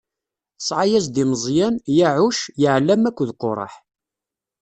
Tesɛa-as-d i Meẓyan: Yaɛuc, Yaɛlam akked Quraḥ.